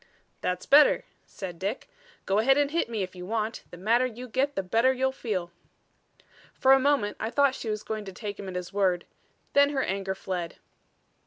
"That's better," said Dick. "Go ahead and hit me if you want. The madder you get the better you'll feel." For a moment I thought she was going to take him at his word; then her anger fled.